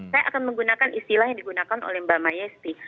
saya akan menggunakan istilah yang digunakan oleh mbak mayesti